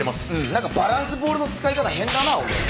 何かバランスボールの使い方変だなお前。